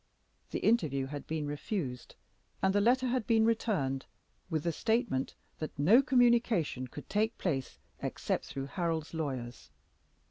The interview had been refused; and the letter had been returned, with the statement that no communication could take place except through Harold's lawyers.